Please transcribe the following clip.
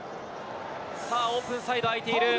さあオープンサイド空いている。